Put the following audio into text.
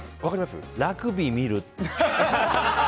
ラグビー見る。